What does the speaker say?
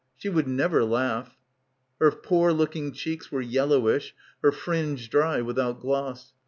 She would never laugh. Her poor looking cheeks were yellowish, her fringe dry, without gloss.